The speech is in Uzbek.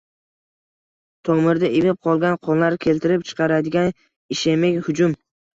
Tomirda ivib qolgan qonlar keltirib chiqaradigan ishemik hujum